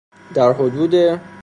در حدودِ